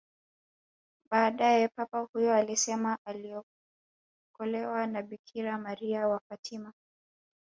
Baadae Papa huyo alisema aliokolewa na Bikira Maria wa Fatima